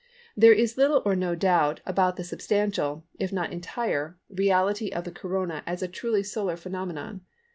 There is little or no doubt about the substantial, if not entire, reality of the corona as a truly solar phenomenon.